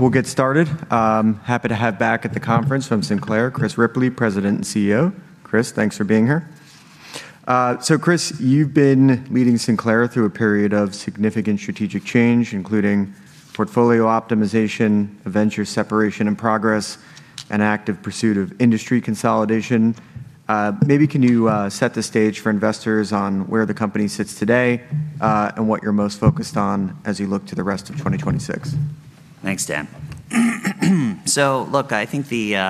We'll get started. Happy to have back at the conference from Sinclair, Chris Ripley, President and CEO. Chris, thanks for being here. Chris, you've been leading Sinclair through a period of significant strategic change, including portfolio optimization, a venture separation in progress, and active pursuit of industry consolidation. Maybe can you set the stage for investors on where the company sits today, and what you're most focused on as you look to the rest of 2026? Thanks, Dan. Look, I think the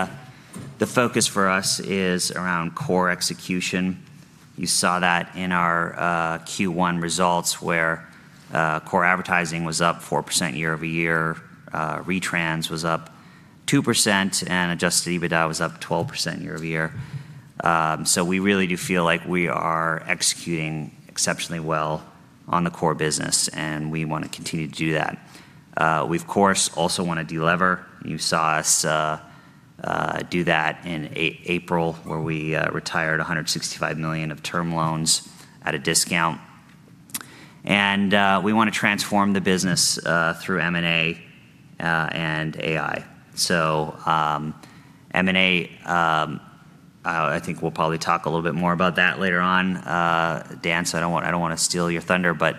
focus for us is around core execution. You saw that in our Q1 results, where core advertising was up 4% year-over-year, retrans was up 2%, and adjusted EBITDA was up 12% year-over-year. We really do feel like we are executing exceptionally well on the core business, and we want to continue to do that. We of course also want to delever. You saw us do that in April, where we retired $165 million of term loans at a discount. We want to transform the business through M&A and AI. M&A, I think we'll probably talk a little bit more about that later on. Dan, I don't want to steal your thunder, but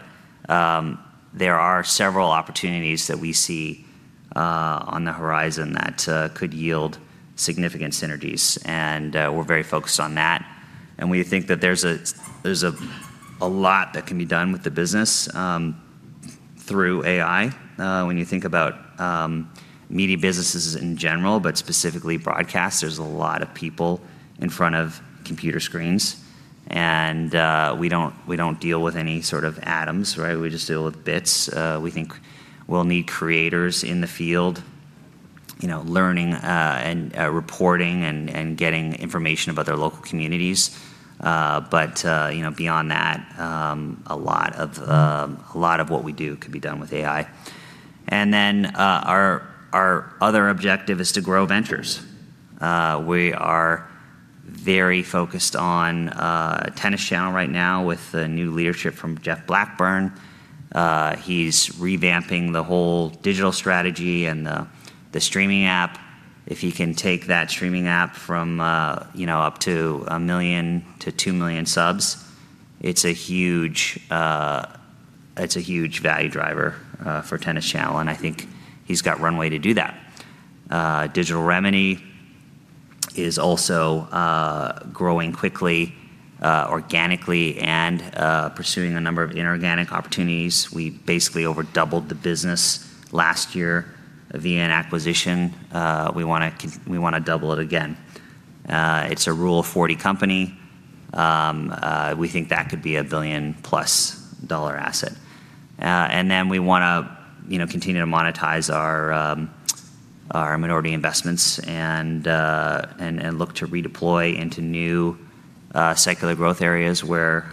there are several opportunities that we see on the horizon that could yield significant synergies and we're very focused on that. We think that there's a lot that can be done with the business through AI. When you think about media businesses in general, but specifically broadcast, there's a lot of people in front of computer screens, and we don't deal with any sort of atoms, right? We just deal with bits. We think we'll need creators in the field, learning and reporting and getting information about their local communities. Beyond that, a lot of what we do could be done with AI. Then our other objective is to grow ventures. We are very focused on Tennis Channel right now with the new leadership from Jeff Blackburn. He's revamping the whole digital strategy and the streaming app. If he can take that streaming app from up to 1 million to 2 million subs, it's a huge value driver for Tennis Channel, and I think he's got runway to do that. Digital Remedy is also growing quickly, organically, and pursuing a number of inorganic opportunities. We basically over doubled the business last year via an acquisition. We want to double it again. It's a Rule of 40 company. We think that could be a billion-plus dollar asset. We want to continue to monetize our minority investments and look to redeploy into new secular growth areas where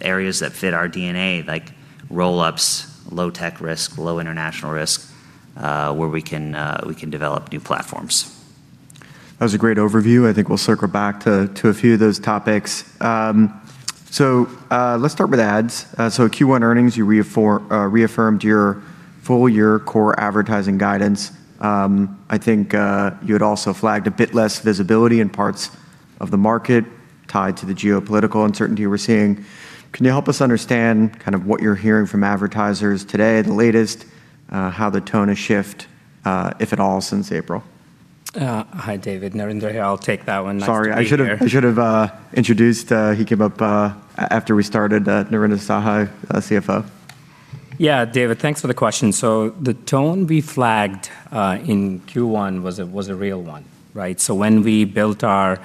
areas that fit our DNA, like roll-ups, low tech risk, low international risk, where we can develop new platforms. That was a great overview. I think we'll circle back to a few of those topics. Let's start with ads. Q1 earnings, you reaffirmed your full-year core advertising guidance. I think you had also flagged a bit less visibility in parts of the market tied to the geopolitical uncertainty we're seeing. Can you help us understand what you're hearing from advertisers today, the latest, how the tone has shift, if at all, since April? Hi, David. Narinder here. I'll take that one. Nice to be here. Sorry. I should have introduced. He came up after we started. Narinder Sahai, CFO. Yeah, David. Thanks for the question. The tone we flagged in Q1 was a real one, right? When we built our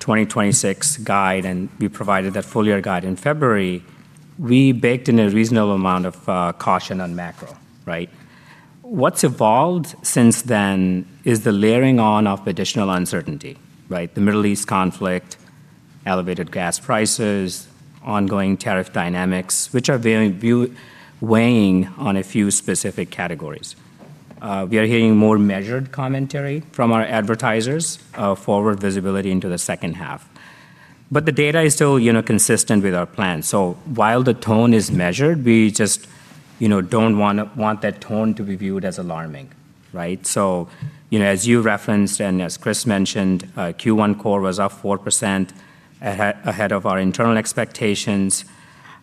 2026 guide and we provided that full-year guide in February, we baked in a reasonable amount of caution on macro, right? What's evolved since then is the layering on of additional uncertainty, right? The Middle East conflict, elevated gas prices, ongoing tariff dynamics, which are weighing on a few specific categories. We are hearing more measured commentary from our advertisers forward visibility into the second half. The data is still consistent with our plan. While the tone is measured, we just don't want that tone to be viewed as alarming, right? As you referenced and as Chris mentioned, Q1 core was up 4% ahead of our internal expectations.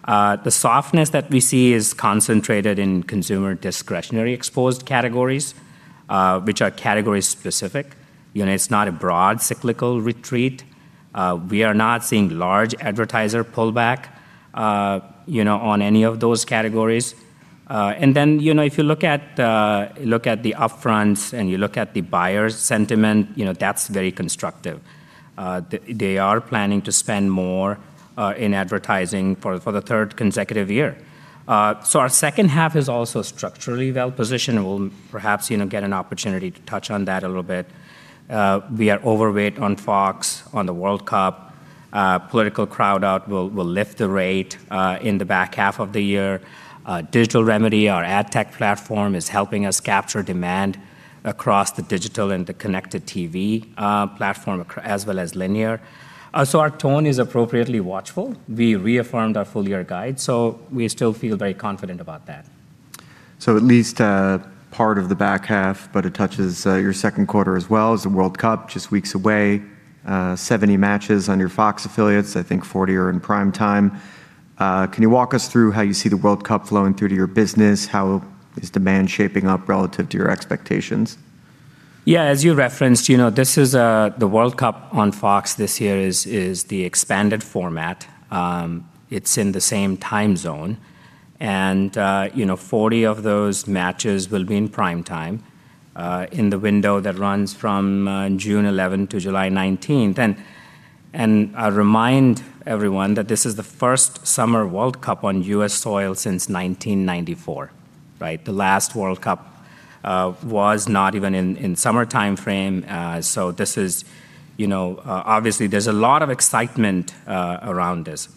The softness that we see is concentrated in consumer discretionary exposed categories, which are category specific. It's not a broad cyclical retreat. We are not seeing large advertiser pullback on any of those categories. If you look at the upfronts and you look at the buyer's sentiment, that's very constructive. They are planning to spend more in advertising for the third consecutive year. Our second half is also structurally well-positioned, and we'll perhaps get an opportunity to touch on that a little bit. We are overweight on Fox, on the World Cup. Political crowd out will lift the rate in the back half of the year. Digital Remedy, our ad tech platform, is helping us capture demand across the digital and the connected TV platform, as well as linear. Our tone is appropriately watchful. We reaffirmed our full-year guide, we still feel very confident about that. At least part of the back half, but it touches your second quarter as well as the World Cup, just weeks away. 70 matches on your Fox affiliates, I think 40 are in prime time. Can you walk us through how you see the World Cup flowing through to your business? How is demand shaping up relative to your expectations? Yeah. As you referenced, the World Cup on Fox this year is the expanded format. It's in the same time zone. 40 of those matches will be in prime time, in the window that runs from June 11 to July 19th. I'll remind everyone that this is the first summer World Cup on U.S. soil since 1994, right? The last World Cup was not even in summer timeframe. Obviously, there's a lot of excitement around this.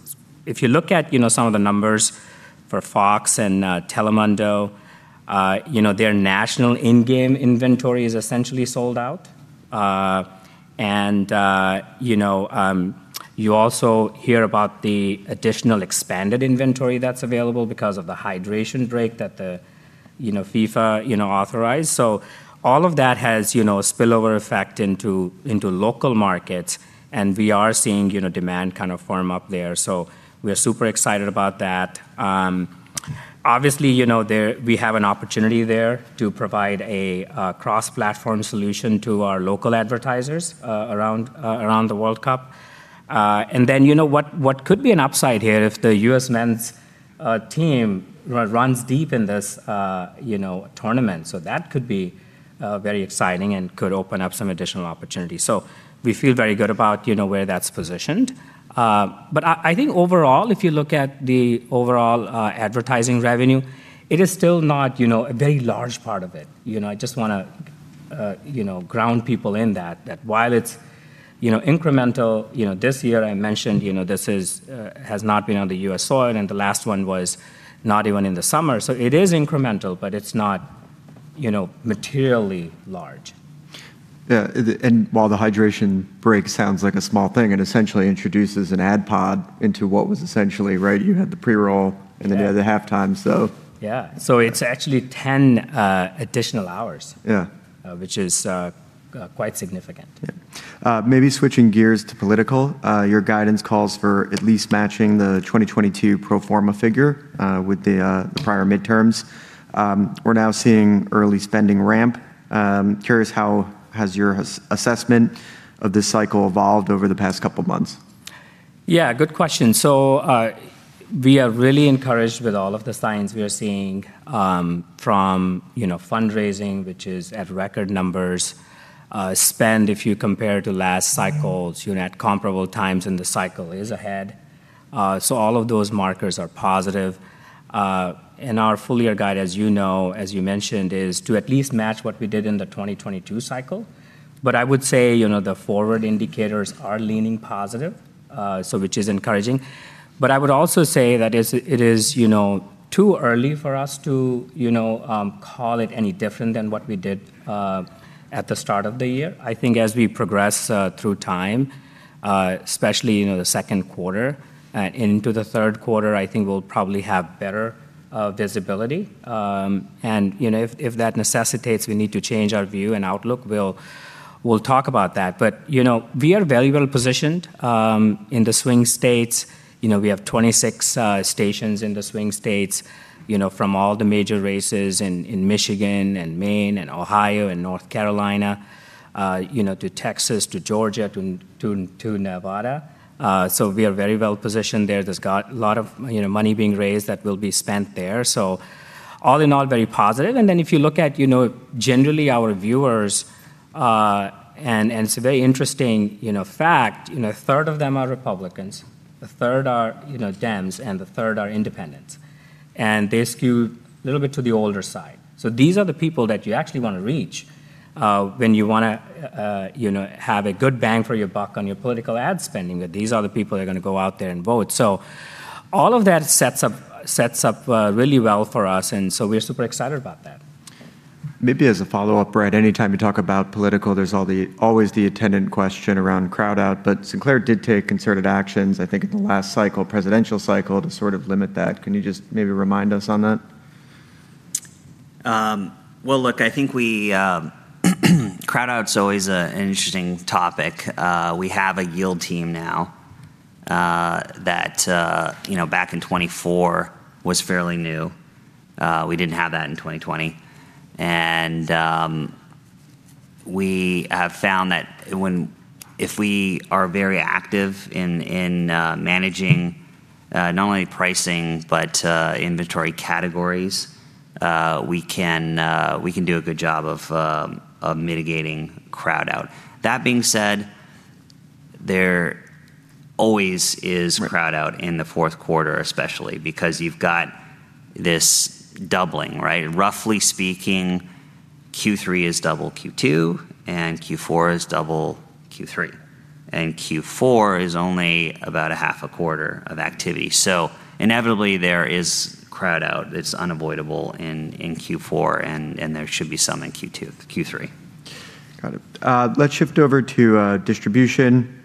If you look at some of the numbers for Fox and Telemundo, their national in-game inventory is essentially sold out. You also hear about the additional expanded inventory that's available because of the hydration break that FIFA authorized. All of that has a spillover effect into local markets, and we are seeing demand form up there. We're super excited about that. Obviously, we have an opportunity there to provide a cross-platform solution to our local advertisers around the World Cup. What could be an upside here if the U.S. men's team runs deep in this tournament. That could be very exciting and could open up some additional opportunities. We feel very good about where that's positioned. I think overall, if you look at the overall advertising revenue, it is still not a very large part of it. I just want to ground people in that while it's incremental, this year I mentioned this has not been on the U.S. soil, and the last one was not even in the summer. It is incremental, but it's not materially large. Yeah. While the hydration break sounds like a small thing, it essentially introduces an ad pod into what was essentially, right, you had the pre-roll. You had the halftime. Yeah. It's actually 10 additional hours. Yeah. Which is quite significant. Yeah. Maybe switching gears to political. Your guidance calls for at least matching the 2022 pro forma figure with the prior midterms. We're now seeing early spending ramp. Curious, how has your assessment of this cycle evolved over the past couple of months? Yeah. Good question. We are really encouraged with all of the signs we are seeing from fundraising, which is at record numbers. Spend, if you compare to last cycles, at comparable times in the cycle is ahead. All of those markers are positive. Our full-year guide, as you know, as you mentioned, is to at least match what we did in the 2022 cycle. I would say, the forward indicators are leaning positive, which is encouraging. I would also say that it is too early for us to call it any different than what we did at the start of the year. I think as we progress through time, especially the second quarter into the third quarter, I think we'll probably have better visibility. If that necessitates we need to change our view and outlook, we'll talk about that. We are very well positioned in the swing states. We have 26 stations in the swing states from all the major races in Michigan, and Maine, and Ohio, and North Carolina, to Texas, to Georgia, to Nevada. We are very well-positioned there. There's a lot of money being raised that will be spent there. All in all, very positive. If you look at, generally our viewers, and it's a very interesting fact, a third of them are Republicans, a third are Dems, and a third are Independents. They skew a little bit to the older side. These are the people that you actually want to reach when you want to have a good bang for your buck on your political ad spending. These are the people that are going to go out there and vote. All of that sets up really well for us, and so we are super excited about that. Maybe as a follow-up, Brad, any time you talk about political, there's always the attendant question around crowd-out. Sinclair did take concerted actions, I think in the last cycle, presidential cycle, to sort of limit that. Can you just maybe remind us on that? Well, look, I think crowd-out's always an interesting topic. We have a yield team now that back in 2024 was fairly new. We didn't have that in 2020. We have found that if we are very active in managing not only pricing but inventory categories, we can do a good job of mitigating crowd-out. That being said, there always is crowd-out in the fourth quarter especially because you've got this doubling, right? Roughly speaking, Q3 is double Q2, and Q4 is double Q3. Q4 is only about a half a quarter of activity. Inevitably, there is crowd-out. It's unavoidable in Q4, and there should be some in Q2, Q3. Got it. Let's shift over to distribution.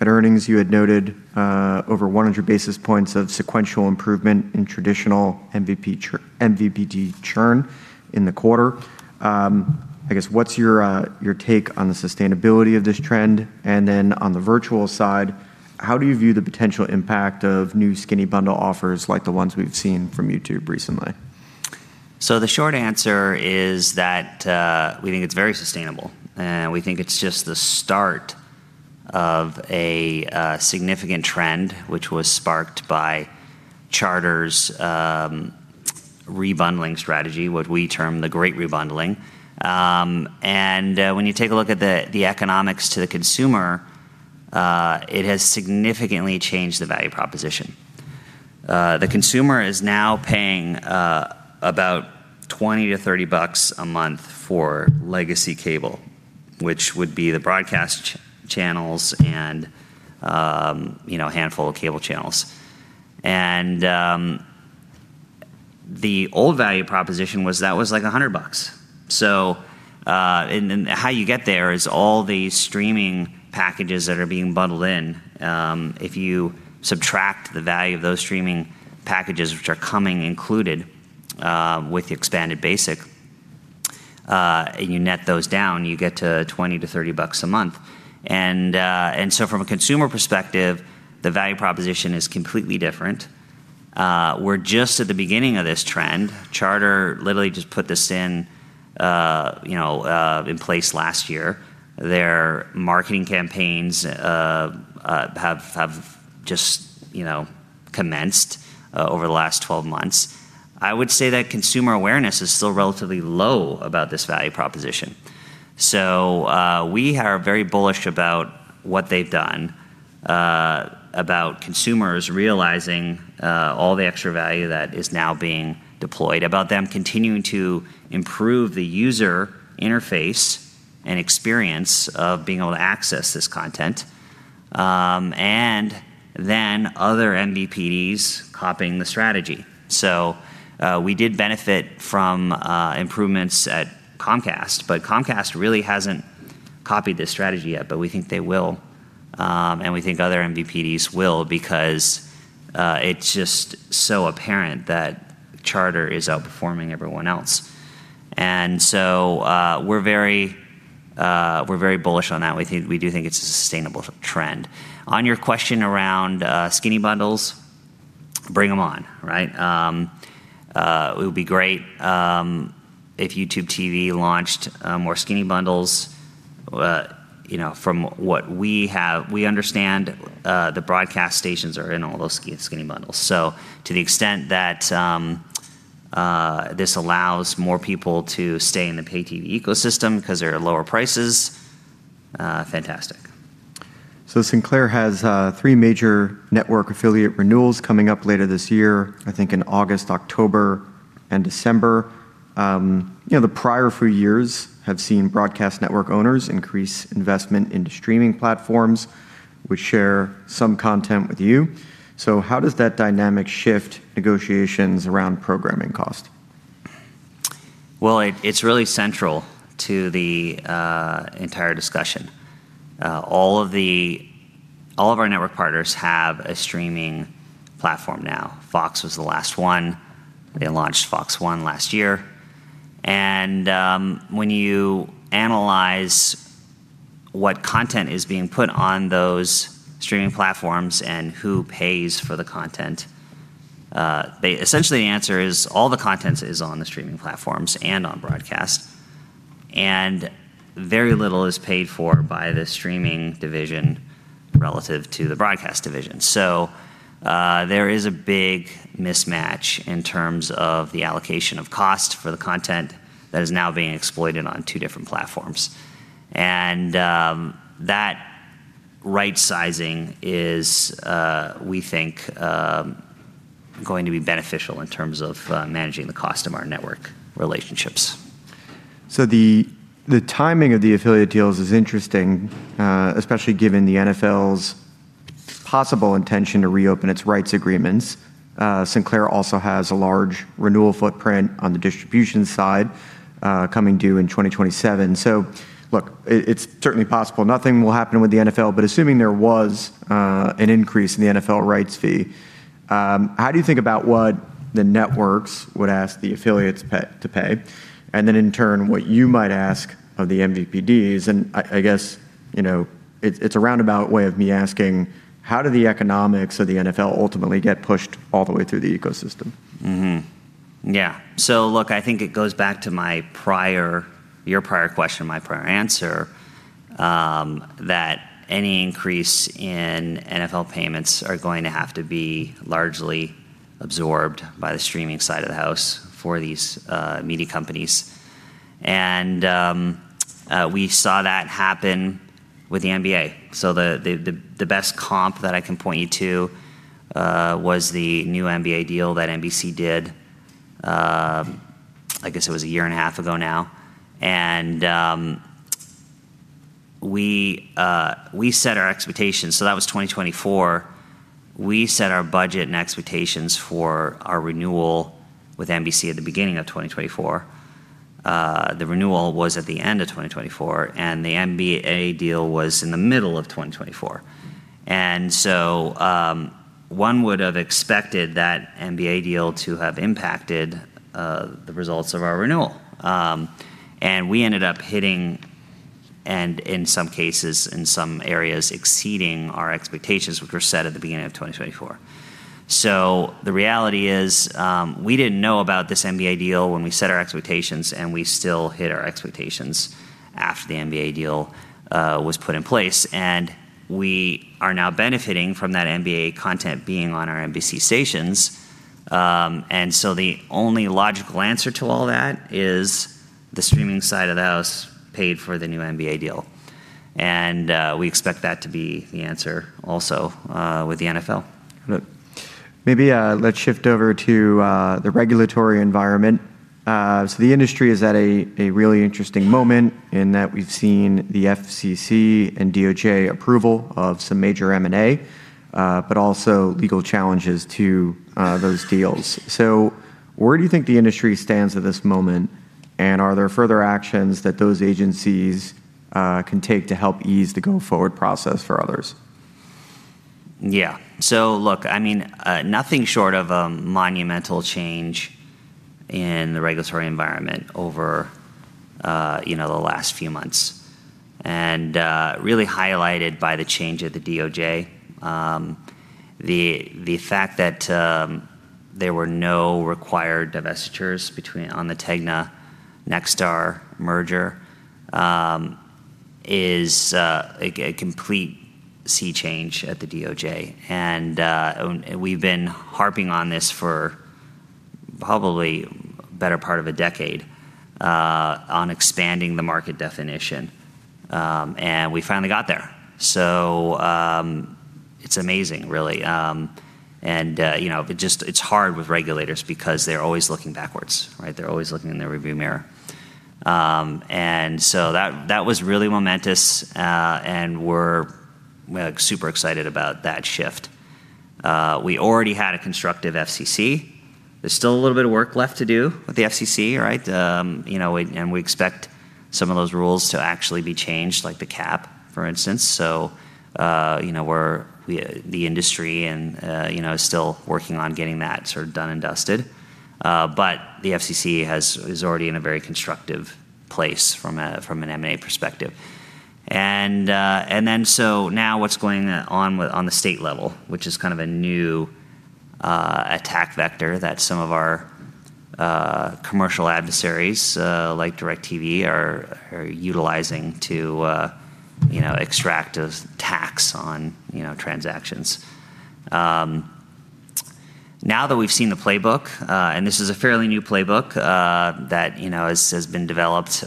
At earnings, you had noted over 100 basis points of sequential improvement in traditional MVPD churn in the quarter. I guess, what's your take on the sustainability of this trend? On the virtual side, how do you view the potential impact of new skinny bundle offers like the ones we've seen from YouTube recently? The short answer is that we think it's very sustainable, and we think it's just the start of a significant trend, which was sparked by Charter's rebundling strategy, what we term the Great Rebundling. When you take a look at the economics to the consumer, it has significantly changed the value proposition. The consumer is now paying about $20-$30 a month for legacy cable, which would be the broadcast channels and a handful of cable channels. The old value proposition was that was like $100. How you get there is all the streaming packages that are being bundled in. If you subtract the value of those streaming packages, which are coming included with expanded basic, you net those down, you get to $20-$30 a month. From a consumer perspective, the value proposition is completely different. We're just at the beginning of this trend. Charter literally just put this in place last year. Their marketing campaigns have just commenced over the last 12 months. I would say that consumer awareness is still relatively low about this value proposition. We are very bullish about what they've done, about consumers realizing all the extra value that is now being deployed, about them continuing to improve the user interface and experience of being able to access this content, and then other MVPDs copying the strategy. We did benefit from improvements at Comcast, but Comcast really hasn't copied this strategy yet, but we think they will. We think other MVPDs will because it's just so apparent that Charter is outperforming everyone else. We're very bullish on that. We do think it's a sustainable trend. On your question around skinny bundles, bring them on. Right? It would be great if YouTube TV launched more skinny bundles. From what we have, we understand the broadcast stations are in all those skinny bundles. To the extent that this allows more people to stay in the pay-TV ecosystem because there are lower prices, fantastic. Sinclair has three major network affiliate renewals coming up later this year, I think in August, October, and December. The prior few years have seen broadcast network owners increase investment into streaming platforms, which share some content with you. How does that dynamic shift negotiations around programming cost? Well, it's really central to the entire discussion. All of our network partners have a streaming platform now. Fox was the last one. They launched FOX One last year. When you analyze what content is being put on those streaming platforms and who pays for the content, essentially the answer is all the content is on the streaming platforms and on broadcast. Very little is paid for by the streaming division relative to the broadcast division. There is a big mismatch in terms of the allocation of cost for the content that is now being exploited on two different platforms. That right sizing is, we think, going to be beneficial in terms of managing the cost of our network relationships. The timing of the affiliate deals is interesting, especially given the NFL's possible intention to reopen its rights agreements. Sinclair also has a large renewal footprint on the distribution side coming due in 2027. Look, it's certainly possible nothing will happen with the NFL, but assuming there was an increase in the NFL rights fee, how do you think about what the networks would ask the affiliates to pay? Then in turn, what you might ask of the MVPDs, and I guess it's a roundabout way of me asking, how do the economics of the NFL ultimately get pushed all the way through the ecosystem? Look, I think it goes back to your prior question, my prior answer, that any increase in NFL payments are going to have to be largely absorbed by the streaming side of the house for these media companies. We saw that happen with the NBA. The best comp that I can point you to was the new NBA deal that NBC did, I guess it was a year and a half ago now. We set our expectations. That was 2024. We set our budget and expectations for our renewal with NBC at the beginning of 2024. The renewal was at the end of 2024, and the NBA deal was in the middle of 2024. One would have expected that NBA deal to have impacted the results of our renewal. We ended up hitting and in some cases, in some areas, exceeding our expectations, which were set at the beginning of 2024. The reality is, we didn't know about this NBA deal when we set our expectations, and we still hit our expectations after the NBA deal was put in place. We are now benefiting from that NBA content being on our NBC stations. The only logical answer to all that is the streaming side of the house paid for the new NBA deal. We expect that to be the answer also with the NFL. Maybe let's shift over to the regulatory environment. The industry is at a really interesting moment in that we've seen the FCC and DOJ approval of some major M&A, but also legal challenges to those deals. Where do you think the industry stands at this moment, and are there further actions that those agencies can take to help ease the go-forward process for others? Yeah. Look, nothing short of a monumental change in the regulatory environment over the last few months and really highlighted by the change of the DOJ. The fact that there were no required divestitures on the Tegna-Nexstar merger is a complete sea change at the DOJ. We've been harping on this for probably the better part of a decade, on expanding the market definition. We finally got there. It's amazing, really. It's hard with regulators because they're always looking backwards, right? They're always looking in their rearview mirror. That was really momentous, and we're super excited about that shift. We already had a constructive FCC. There's still a little bit of work left to do with the FCC, right? We expect some of those rules to actually be changed, like the cap, for instance. The industry and still working on getting that sort of done and dusted. The FCC is already in a very constructive place from an M&A perspective. Now what's going on on the state level, which is kind of a new attack vector that some of our commercial adversaries, like DirecTV, are utilizing to extract a tax on transactions. Now that we've seen the playbook, and this is a fairly new playbook that has been developed,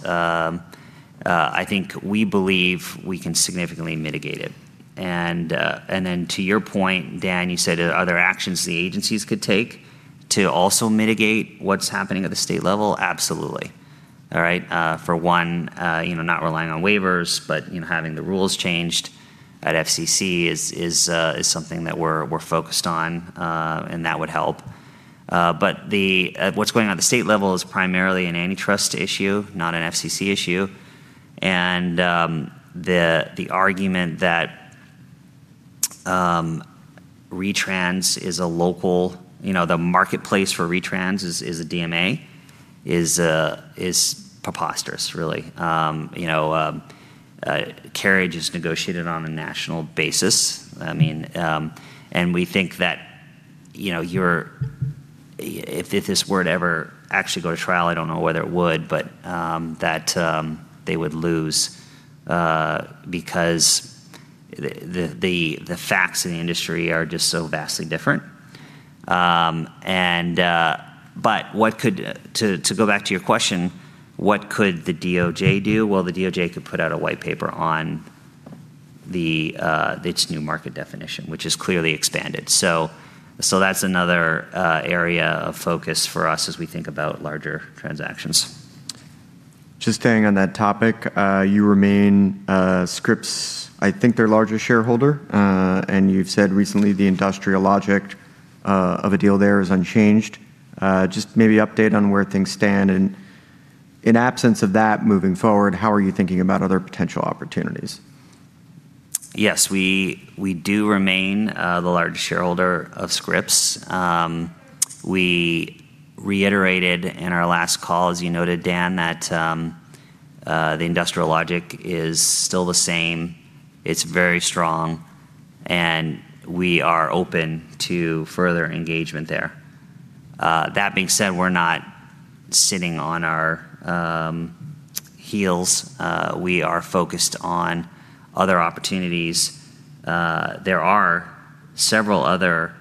I think we believe we can significantly mitigate it. To your point, Dan, you said are there other actions the agencies could take to also mitigate what's happening at the state level? Absolutely. For one, not relying on waivers, but having the rules changed at FCC is something that we're focused on, and that would help. What's going on at the state level is primarily an antitrust issue, not an FCC issue. The argument that the marketplace for retrans is a DMA is preposterous, really. Carriage is negotiated on a national basis. We think that if this were to ever actually go to trial, I don't know whether it would, but that they would lose because the facts in the industry are just so vastly different. To go back to your question, what could the DOJ do? The DOJ could put out a white paper on its new market definition, which is clearly expanded. That's another area of focus for us as we think about larger transactions. Just staying on that topic, you remain Scripps' I think their largest shareholder, and you've said recently the industrial logic of a deal there is unchanged. Just maybe update on where things stand, and in absence of that moving forward, how are you thinking about other potential opportunities? Yes, we do remain the largest shareholder of Scripps. We reiterated in our last call, as you noted, Dan, that the industrial logic is still the same. It's very strong, and we are open to further engagement there. That being said, we're not sitting on our heels. We are focused on other opportunities. There are several other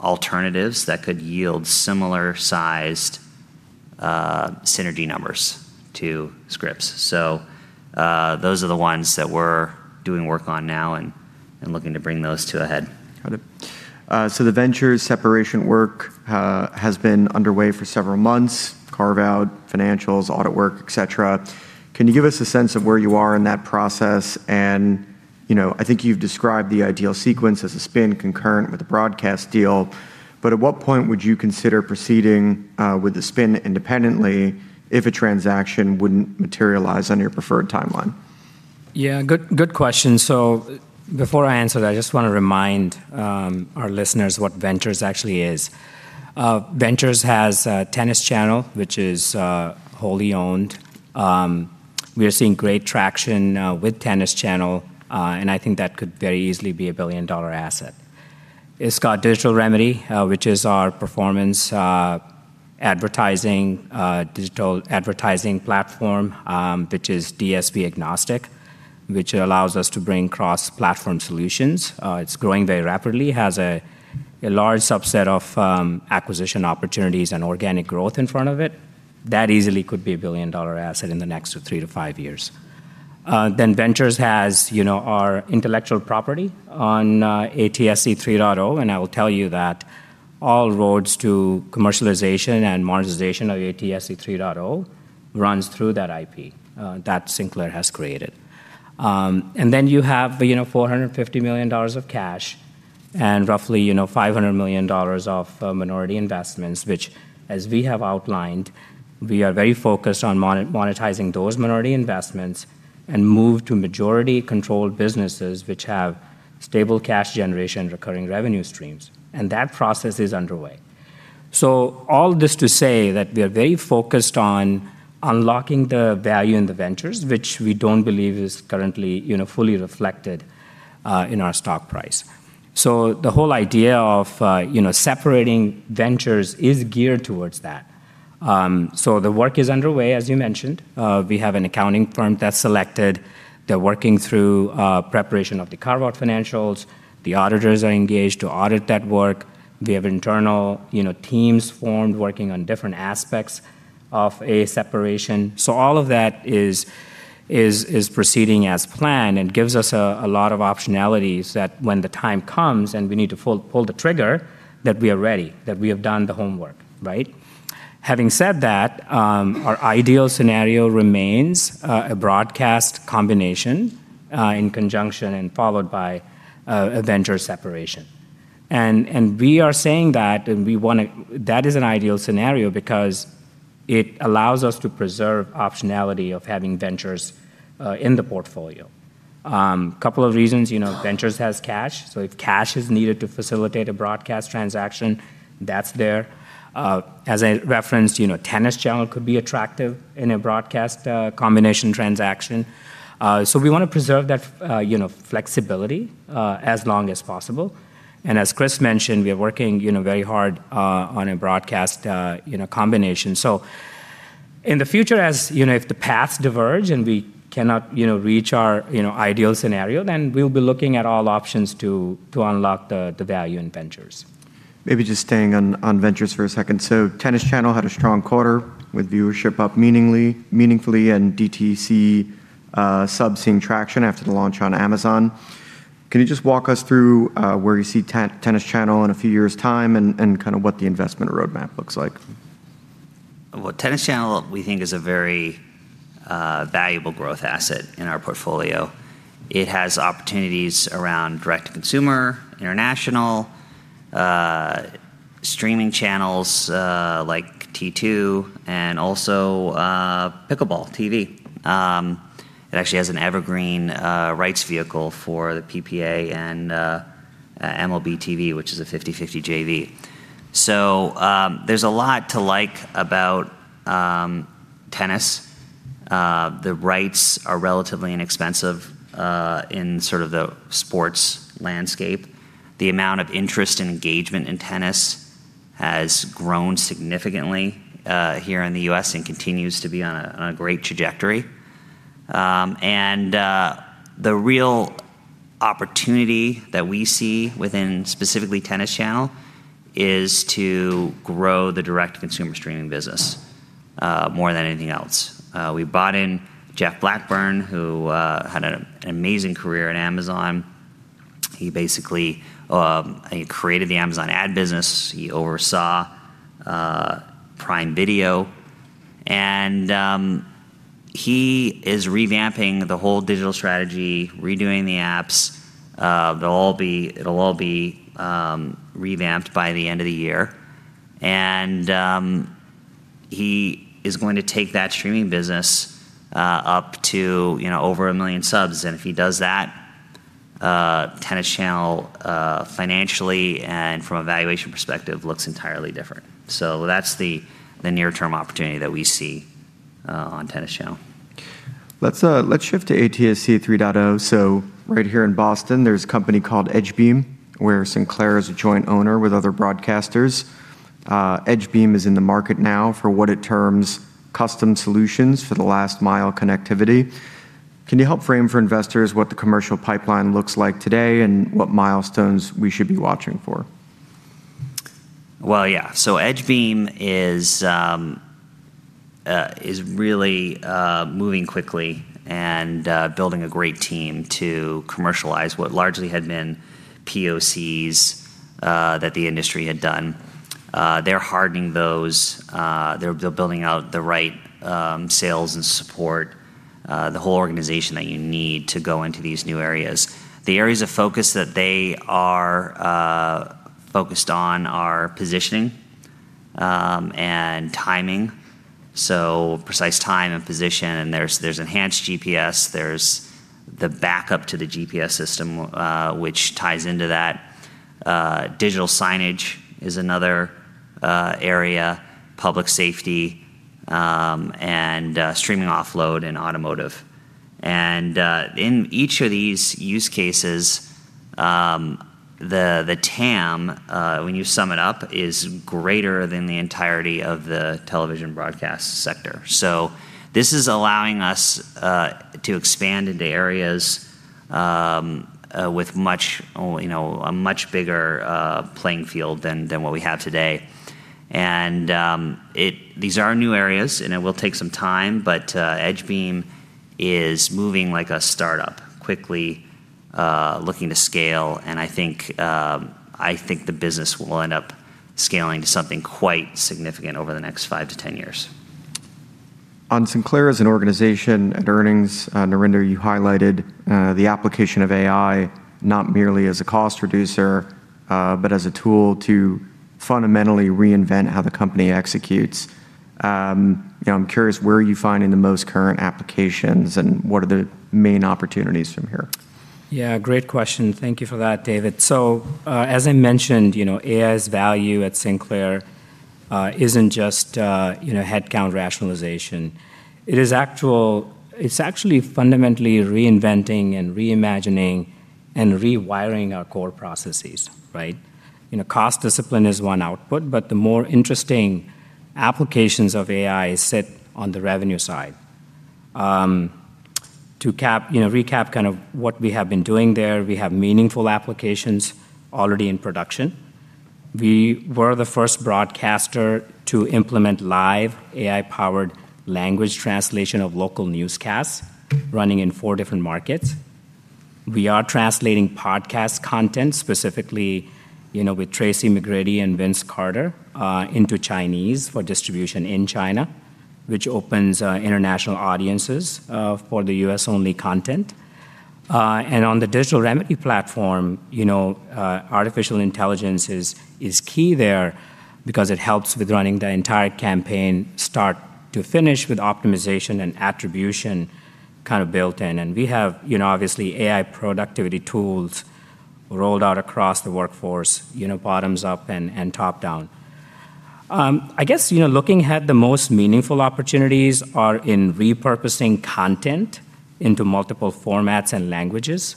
alternatives that could yield similar-sized synergy numbers to Scripps. Those are the ones that we're doing work on now and looking to bring those two ahead. Got it. The Ventures separation work has been underway for several months, carve-out financials, audit work, et cetera. Can you give us a sense of where you are in that process? I think you've described the ideal sequence as a spin concurrent with the broadcast deal, but at what point would you consider proceeding with the spin independently if a transaction wouldn't materialize on your preferred timeline? Yeah. Good question. Before I answer that, I just want to remind our listeners what Ventures actually is. Ventures has a Tennis Channel, which is wholly owned. We are seeing great traction with Tennis Channel, and I think that could very easily be a billion-dollar asset. It's got Digital Remedy, which is our performance advertising, digital advertising platform, which is DSP agnostic, which allows us to bring cross-platform solutions. It's growing very rapidly, has a large subset of acquisition opportunities and organic growth in front of it. That easily could be a billion-dollar asset in the next three to five years. Ventures has our intellectual property on ATSC 3.0, and I will tell you that all roads to commercialization and monetization of ATSC 3.0 runs through that IP that Sinclair has created. You have $450 million of cash and roughly $500 million of minority investments, which as we have outlined, we are very focused on monetizing those minority investments and move to majority-controlled businesses which have stable cash generation, recurring revenue streams, and that process is underway. All this to say that we are very focused on unlocking the value in the ventures, which we don't believe is currently fully reflected in our stock price. The whole idea of separating ventures is geared towards that. The work is underway, as you mentioned. We have an accounting firm that's selected. They're working through preparation of the carve-out financials. The auditors are engaged to audit that work. We have internal teams formed working on different aspects of a separation. All of that is proceeding as planned and gives us a lot of optionalities that when the time comes and we need to pull the trigger, that we are ready, that we have done the homework. Right. Having said that, our ideal scenario remains a broadcast combination, in conjunction and followed by a venture separation. We are saying that, and that is an ideal scenario because it allows us to preserve optionality of having Ventures in the portfolio. Couple of reasons. Ventures has cash, so if cash is needed to facilitate a broadcast transaction, that's there. As I referenced, Tennis Channel could be attractive in a broadcast combination transaction. We want to preserve that flexibility as long as possible. As Chris mentioned, we are working very hard on a broadcast combination. In the future, if the paths diverge and we cannot reach our ideal scenario, then we'll be looking at all options to unlock the value in Ventures. Maybe just staying on ventures for a second. Tennis Channel had a strong quarter with viewership up meaningfully and DTC subs seeing traction after the launch on Amazon. Can you just walk us through where you see Tennis Channel in a few years' time and kind of what the investment roadmap looks like? Tennis Channel, we think, is a very valuable growth asset in our portfolio. It has opportunities around direct-to-consumer, international, streaming channels like T2, and also Pickleballtv. It actually has an evergreen rights vehicle for the PPA and MLB.TV, which is a 50/50 JV. There's a lot to like about tennis. The rights are relatively inexpensive in sort of the sports landscape. The amount of interest and engagement in tennis has grown significantly here in the U.S. and continues to be on a great trajectory. The real opportunity that we see within specifically Tennis Channel is to grow the direct consumer streaming business more than anything else. We brought in Jeff Blackburn, who had an amazing career at Amazon. He basically created the Amazon ad business. He oversaw Prime Video, and he is revamping the whole digital strategy, redoing the apps. It'll all be revamped by the end of the year. He is going to take that streaming business up to over 1 million subs, and if he does that, Tennis Channel financially and from a valuation perspective, looks entirely different. That's the near-term opportunity that we see on Tennis Channel. Let's shift to ATSC 3.0. Right here in Boston, there's a company called EdgeBeam, where Sinclair is a joint owner with other broadcasters. EdgeBeam is in the market now for what it terms custom solutions for the last-mile connectivity. Can you help frame for investors what the commercial pipeline looks like today and what milestones we should be watching for? Well, yeah. Edgebeam is really moving quickly and building a great team to commercialize what largely had been POCs that the industry had done. They're hardening those, they're building out the right sales and support, the whole organization that you need to go into these new areas. The areas of focus that they are focused on are positioning and timing, so precise time and position, and there's enhanced GPS, there's the backup to the GPS system, which ties into that. Digital signage is another area, public safety, and streaming offload and automotive. In each of these use cases, the TAM, when you sum it up, is greater than the entirety of the television broadcast sector. This is allowing us to expand into areas with a much bigger playing field than what we have today. These are new areas, and it will take some time, but EdgeBeam is moving like a startup, quickly looking to scale, and I think the business will end up scaling to something quite significant over the next 5-10 years. On Sinclair as an organization and earnings, Narinder, you highlighted the application of AI not merely as a cost reducer, but as a tool to fundamentally reinvent how the company executes. I'm curious, where are you finding the most current applications, and what are the main opportunities from here? Yeah, great question. Thank you for that, David. As I mentioned, AI's value at Sinclair isn't just headcount rationalization. It's actually fundamentally reinventing and reimagining and rewiring our core processes. Cost discipline is one output, but the more interesting applications of AI sit on the revenue side. To recap what we have been doing there, we have meaningful applications already in production. We were the first broadcaster to implement live AI-powered language translation of local newscasts running in four different markets. We are translating podcast content, specifically with Tracy McGrady and Vince Carter, into Chinese for distribution in China, which opens international audiences for the U.S.-only content. On the Digital Remedy platform, artificial intelligence is key there because it helps with running the entire campaign start to finish with optimization and attribution built in. We have obviously AI productivity tools rolled out across the workforce, bottoms up and top down. I guess, looking ahead, the most meaningful opportunities are in repurposing content into multiple formats and languages,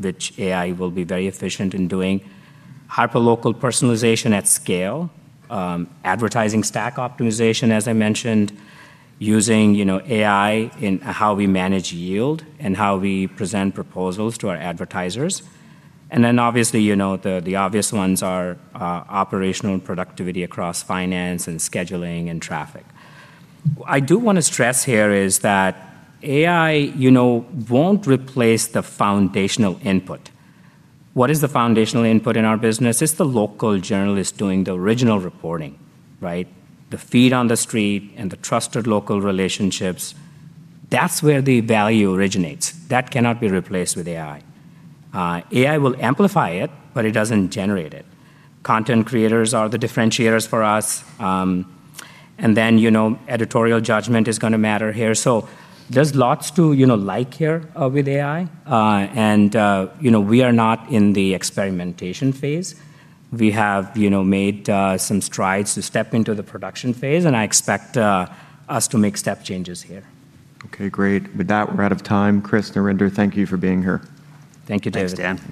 which AI will be very efficient in doing. Hyperlocal personalization at scale, advertising stack optimization, as I mentioned, using AI in how we manage yield and how we present proposals to our advertisers. Obviously, the obvious ones are operational productivity across finance and scheduling and traffic. I do want to stress here is that AI won't replace the foundational input. What is the foundational input in our business? It's the local journalist doing the original reporting. The feet on the street and the trusted local relationships. That's where the value originates. That cannot be replaced with AI. AI will amplify it, but it doesn't generate it. Content creators are the differentiators for us, and then editorial judgment is going to matter here. There's lots to like here with AI. We are not in the experimentation phase. We have made some strides to step into the production phase, and I expect us to make step changes here. Okay, great. With that, we're out of time. Chris, Narinder, thank you for being here. Thank you, David. Thanks, Dan.